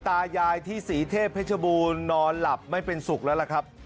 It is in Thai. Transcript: ตายายที่ศรีเทพเพชรบูรณนอนหลับไม่เป็นสุขแล้วล่ะครับ